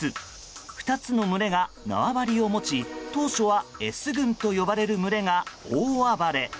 ２つの群れが縄張りを持ち当初はＳ群と呼ばれる群れが大暴れ。